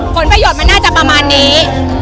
ผลประโยชน์มันน่าจะประมาณนี้